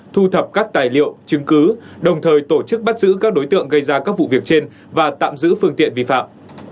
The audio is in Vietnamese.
thu thập các tài liệu chứng cứ đồng thời tổ chức bắt giữ các đối tượng gây ra các vụ việc trên và tạm giữ phương tiện vi phạm